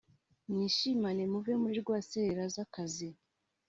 mwishimane muve muri rwaserera z’akazi